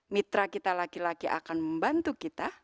mitra kita laki laki akan membantu kita